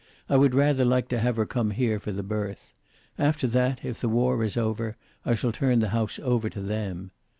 I would rather like to have her come here, for the birth. After that, if the war is over, I shall turn the house over to them.